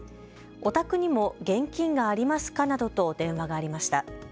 お宅にも現金がありますかなどと電話がありました。